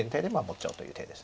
ちゃおうという手です。